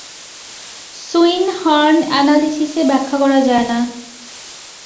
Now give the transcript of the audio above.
সুইন হার্ন অ্যানালিসিসে ব্যাখ্যা করা যায় না।